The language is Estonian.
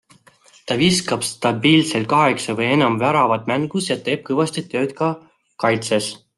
Ta viskab stabiilselt kaheksa või enam väravat mängus ja teeb kõvasti tööd ka kaitses.